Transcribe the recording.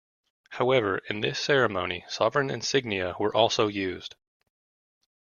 However, in this ceremony sovereign insignia were also used.